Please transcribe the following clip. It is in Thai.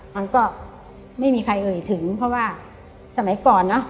มันก็ไม่มีใครเอ่ยถึงเพราะว่าสมัยก่อนเนอะ